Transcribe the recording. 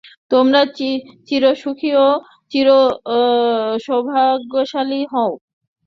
তোমরা চিরসুখী ও সৌভাগ্যশালিনী হও।